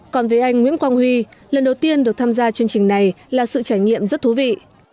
còn với anh nguyễn quang huy lần đầu tiên được tham gia chương trình này là sự trải nghiệm rất thú vị